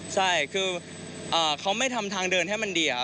ใช่คือเขาไม่ทำทางเดินให้มันเดี่ยว